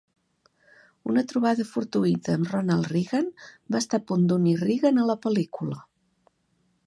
Una trobada fortuïta amb Ronald Reagan va estar a punt d'unir Reagan a la pel·lícula.